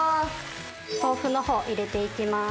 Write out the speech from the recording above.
豆腐のほう入れて行きます。